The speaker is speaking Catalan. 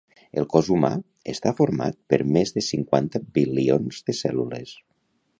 El cos humà està format per més de cinquanta bilions de cèl·lules.